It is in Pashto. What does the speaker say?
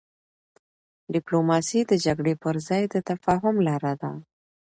ډيپلوماسي د جګړې پر ځای د تفاهم لاره ده.